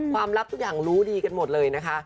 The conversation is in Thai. ลับทุกอย่างรู้ดีกันหมดเลยนะคะ